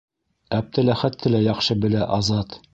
Әптеләхәтте лә яҡшы белә Азат.